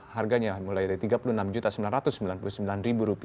harganya mulai dari rp tiga puluh enam sembilan ratus sembilan puluh sembilan